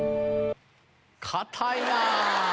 硬いなぁ。